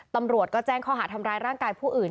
ตำรวจก็แจ้งข้อหาทำร้ายร่างกายผู้อื่น